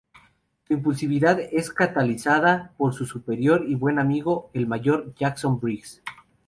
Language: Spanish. Su impulsividad es catalizada por su superior y buen amigo, el mayor Jackson Briggs.